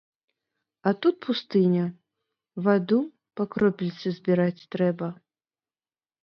А тут пустыня, ваду па кропельцы збіраць трэба.